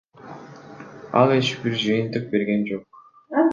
Ал эч бир жыйынтык берген жок.